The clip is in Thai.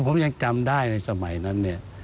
ผมยังจำได้ในสมัยนั้นเนี่ย